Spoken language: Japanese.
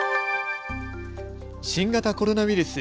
新型コロナウイルス。